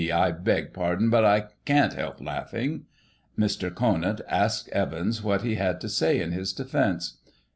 I beg pardon, but I Ccin't help laughing. Mr. Conant asked Evans what he had to say in his defence